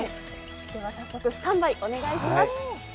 では早速スタンバイ、お願いします